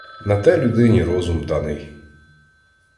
На те людині розум даний.